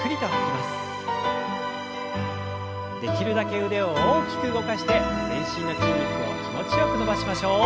できるだけ腕を大きく動かして全身の筋肉を気持ちよく伸ばしましょう。